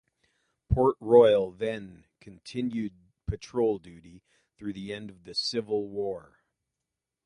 "Port Royal" then continued patrol duty through the end of the Civil War.